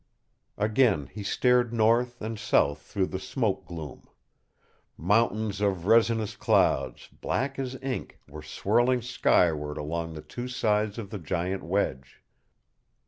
Again he stared north and south through the smoke gloom. Mountains of resinous clouds, black as ink, were swirling skyward along the two sides of the giant wedge.